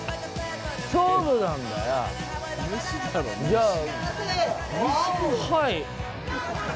じゃあ。